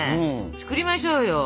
作りましょう。